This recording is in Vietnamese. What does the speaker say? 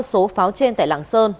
số pháo trên tại làng sơn